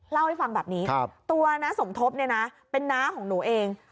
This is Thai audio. เล่าให้ฟังแบบนี้ตัวน้าสมทบเนี่ยนะเป็นน้าของหนูเอง